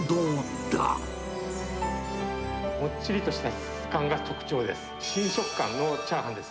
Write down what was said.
もっちりとした質感が特徴です。